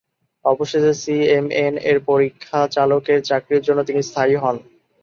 অবশেষে সিএমএন-এর পরীক্ষা-চালকের চাকরির জন্য তিনি স্থায়ী হন।